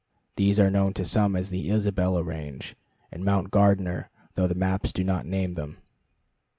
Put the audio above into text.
These are known to some as the Isabella Range and Mount Gardner, though the maps do not name them.